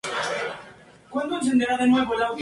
Es obra de Rodrigo Gil de Hontañón y de Rodrigo Argüello.